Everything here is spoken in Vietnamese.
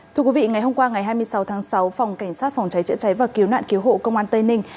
thưa quý vị ngày hôm qua ngày hai mươi sáu tháng sáu phòng cảnh sát phòng cháy chữa cháy và cứu nạn cứu hộ công an tây ninh